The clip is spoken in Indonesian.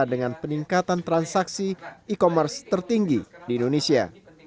dengan peningkatan transaksi e commerce tertinggi di indonesia